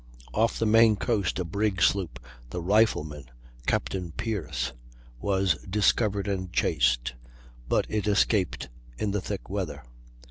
Off the Maine coast a brig sloop (the Rifleman, Capt. Pearce) was discovered and chased, but it escaped in the thick weather.